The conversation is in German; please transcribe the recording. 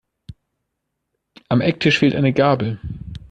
Am Ecktisch fehlt eine Gabel.